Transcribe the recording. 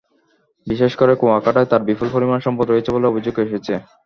বিশেষ করে কুয়াকাটায় তাঁর বিপুল পরিমাণ সম্পদ রয়েছে বলে অভিযোগ এসেছে।